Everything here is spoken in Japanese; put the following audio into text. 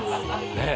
ねえ。